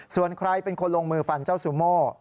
ส่วนใครเป็นคนลงมือฟันเจ้าซูโม่